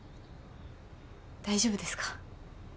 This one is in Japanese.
大丈夫ですか？